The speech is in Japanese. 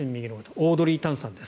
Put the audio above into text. オードリー・タンさんです。